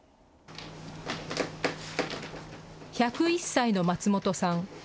１０１歳の松本さん。